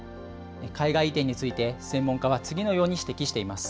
海外移転について、専門家は次のように指摘しています。